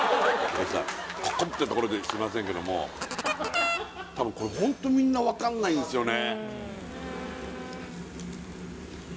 ここってところですいませんけども多分これホントみんな分かんないんですよね